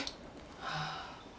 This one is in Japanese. はあ。